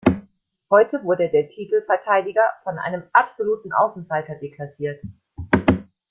Heute wurde der Titelverteidiger von einem absoluten Außenseiter deklassiert.